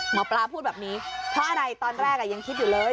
หมอปลาพูดแบบนี้เพราะอะไรตอนแรกยังคิดอยู่เลย